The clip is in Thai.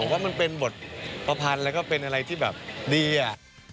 ว่ามันเป็นบทประพันธ์แล้วก็เป็นอะไรที่แบบดีอะ